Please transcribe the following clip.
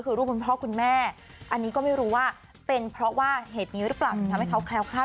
ก็คือรูปของพ่อคุณแม่อันนี้ก็ไม่รู้ว่าเป็นเพราะเหตุนี้รึเปล่า